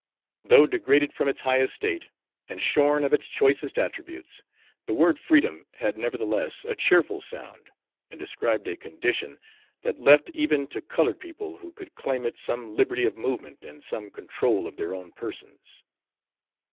Though degraded from its high estate, and shorn of its choicest attributes, the word "freedom" had nevertheless a cheerful sound, and described a condition that left even to colored people who could claim it some liberty of movement and some control of their own persons.